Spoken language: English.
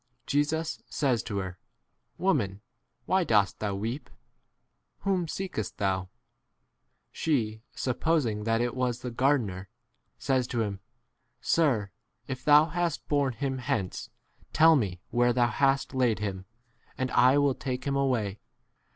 Jesus says to her, "Woman, why dost thou weep ? Whom seekest thou ? She supposing that it was m the gardener, says to him, Sir, if thou ' hast borne him hence, tell me where thou hast laid him, and I* i° will take him away.